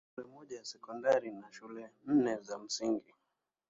Ina shule moja ya sekondari na shule nne za msingi.